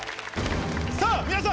さぁ皆さん！